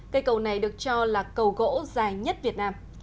cây cầu này được cho là cầu gỗ dài nhất việt nam